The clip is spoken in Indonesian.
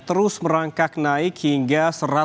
terus merangkak naik hingga